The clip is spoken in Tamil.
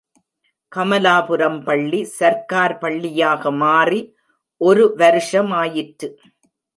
கமலாபுரம் பள்ளி, சர்க்கார் பள்ளியாக மாறி, ஒரு வருஷமாயிற்று.